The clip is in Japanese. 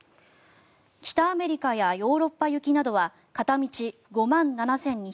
北アメリカやヨーロッパ行きなどは片道５万７２００円